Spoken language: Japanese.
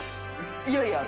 いやいや。